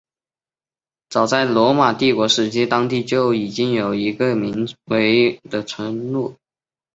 早在罗马帝国时期当地就已经有一个名为的村落。